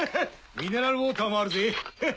ミネラルウオーターもあるぜ！